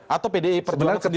atau pdi perjuangan sendiri